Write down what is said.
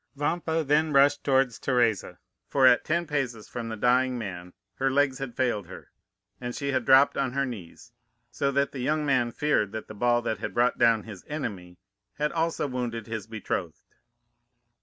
Vampa then rushed towards Teresa; for at ten paces from the dying man her legs had failed her, and she had dropped on her knees, so that the young man feared that the ball that had brought down his enemy, had also wounded his betrothed.